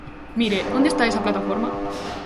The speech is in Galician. Mire, ¿onde está esa plataforma?